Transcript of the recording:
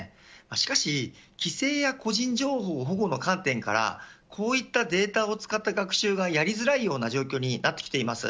しかし、規制や個人情報保護の観点からこういったデータを使った学習がやりづらいような状況になってきています。